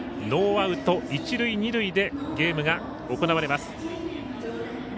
ノーアウト、一塁二塁でゲームが行われます。